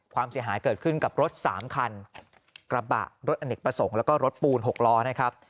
ความเสียหายเกิดขึ้นกับรถสามคันกระบะรถอเนกประสงค์แล้วก็รถปูน๖ล้อนะครับ